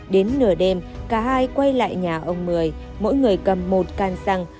đến nửa đêm cả hai quay lại nhà ông mười mỗi người cầm một can xăng